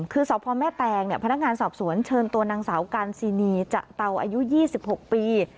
คือสพแม่แตงพนักงานสอบสวนเชิญตัวนางสาวการซีนีจะเตาอายุ๒๖ปี